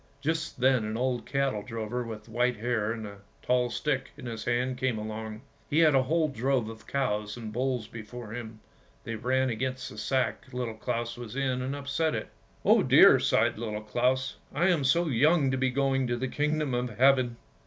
Just then an old cattle drover with white hair and a tall stick in his hand came along. He had a whole drove of cows and bulls before him; they ran against the sack Little Claus was in, and upset it. "Oh dear!" sighed Little Claus; "I am so young to be going to the Kingdom of Heaven!